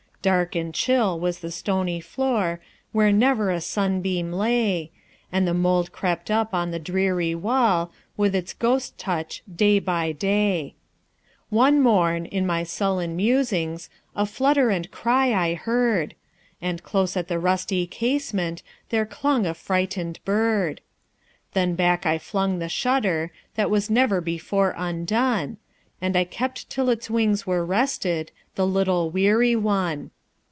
Dark and chill was the stony floor, Where never a sunbeam lay, And the mould crept up on the dreary wall, With its ghost touch, day by day. One morn, in my sullen musings,A flutter and cry I heard; And close at the rusty casementThere clung a frightened bird. Then back I flung the shutterThat was never before undone, And I kept till its wings were restedThe little weary one.